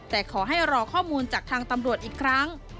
แต่ขอให้รอข้อมูลจากทางตำรวจอีกครั้ง